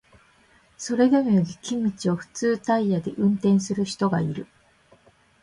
それでも雪道を普通タイヤで運転する人がいる